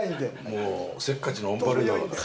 もうせっかちのオンパレードだから。